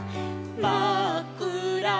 「まっくら